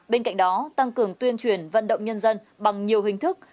bên cạnh đó tăng cường tuyên truyền vận động nhân dân bằng nhiều hình thức